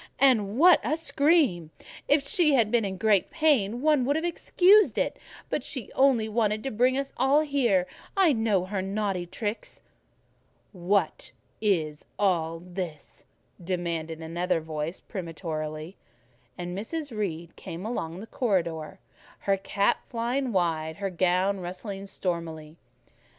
"And what a scream! If she had been in great pain one would have excused it, but she only wanted to bring us all here: I know her naughty tricks." "What is all this?" demanded another voice peremptorily; and Mrs. Reed came along the corridor, her cap flying wide, her gown rustling stormily.